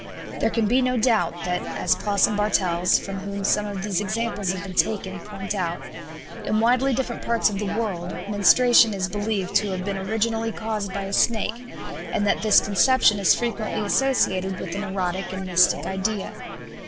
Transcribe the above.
There can be no doubt that as Ploss and Bartels, from whom some of these examples have been taken, point out in widely different parts of the world menstruation is believed to have been originally caused by a snake, and that this conception is frequently associated with an erotic and mystic idea.